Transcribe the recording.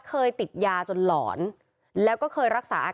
เขาก็ยอมรับสารภาพ